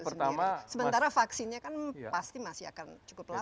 sementara vaksinnya kan pasti masih akan cukup lama